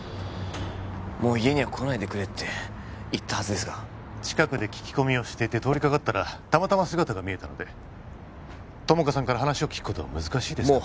もう家には来ないでくれって言ったはずですが近くで聞き込みをしていて通りかかったらたまたま姿が見えたので友果さんから話を聞くことは難しいですか？